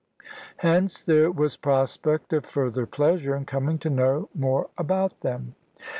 Hence there was prospect of further pleasure, in coming to know more about them.